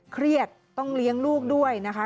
เครียดต้องเลี้ยงลูกด้วยนะคะ